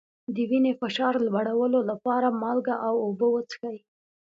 د وینې فشار لوړولو لپاره مالګه او اوبه وڅښئ